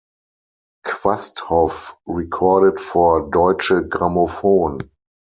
Quasthoff recorded for Deutsche Grammophon.